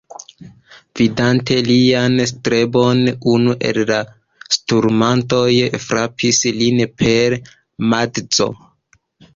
Vidante lian strebon, unu el la sturmantoj frapis lin per madzo.